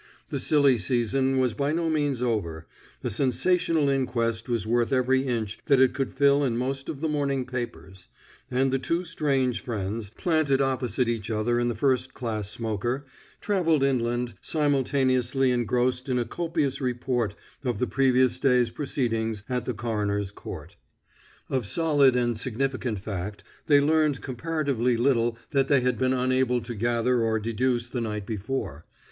The silly season was by no means over; a sensational inquest was worth every inch that it could fill in most of the morning papers; and the two strange friends, planted opposite each other in the first class smoker, traveled inland simultaneously engrossed in a copious report of the previous day's proceedings at the coroner's court. Of solid and significant fact, they learned comparatively little that they had been unable to gather or deduce the night before.